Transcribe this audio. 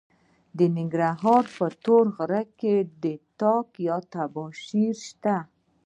د ننګرهار په تور غره کې تالک یا تباشیر شته.